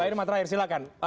baik irma terakhir silakan